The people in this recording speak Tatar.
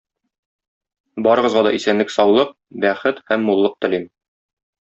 Барыгызга да исәнлек-саулык, бәхет һәм муллык телим!